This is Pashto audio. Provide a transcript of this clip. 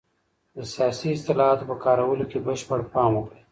د سياسي اصطلاحاتو په کارولو کي بشپړ پام وکړئ.